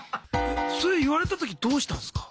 それ言われた時どうしたんすか？